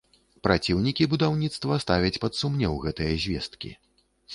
Праціўнікі будаўніцтва ставяць пад сумнеў гэтыя звесткі.